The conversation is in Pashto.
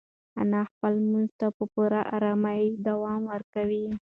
انا خپل لمانځه ته په پوره ارامۍ دوام ورکوي.